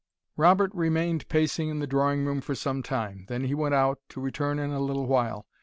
Robert remained pacing in the drawing room for some time. Then he went out, to return in a little while.